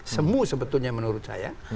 semu sebetulnya menurut saya